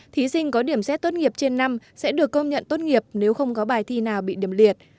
thí sinh có điểm xét tốt nghiệp trên năm sẽ được công nhận tốt nghiệp nếu không có bài thi nào bị điểm liệt